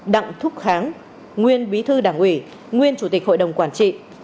đặng thúc kháng nguyên bí thư đảng ủy nguyên chủ tịch hội đồng quản trị